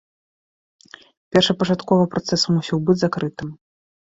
Першапачаткова працэс мусіў быць закрытым.